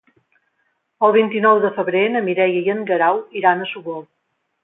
El vint-i-nou de febrer na Mireia i en Guerau iran a Sogorb.